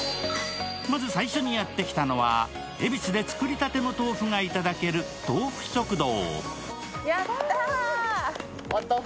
まず最初にやってきたのは、恵比寿で作りたての豆腐がいただける豆富食堂。